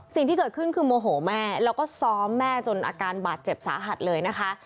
สิ่งที่เกิดขึ้นคือโมโหแม่แล้วก็ซ้อมแม่จนอาการบาดเจ็บสาหัสเลยนะคะ